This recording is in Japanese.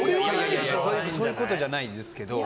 そういうことじゃないですけど。